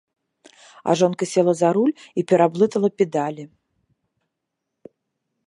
А жонка села за руль і пераблытала педалі.